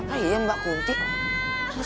adi rambut gua